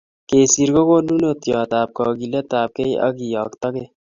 Kesir ko konunotiotap kakiletapkei ak keyoktokei